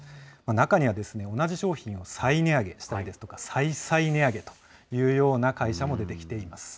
中には同じ商品を再値上げしたりですとか、再々値上げというような会社も出てきています。